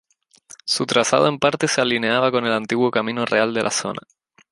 Su trazado en parte se alineaba con el antiguo camino real de la zona.